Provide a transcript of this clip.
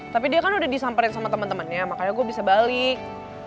tapi dia kan udah disamperin sama temen temennya makanya gue bisa balik